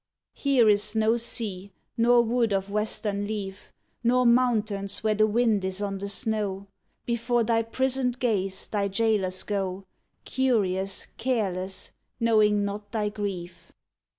Here is no sea, nor wood of western leaf, Nor mountains where the wind is on the snow: Before thy prisoned gaze thy jailors go, Curious, careless, knowing not thy grief.